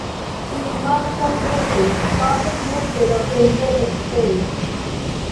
Ili marŝas multe, pasas multe da tempon ekstere.